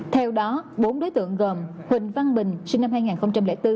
theo đó bốn đối tượng gồm huỳnh văn bình sinh năm hai nghìn bốn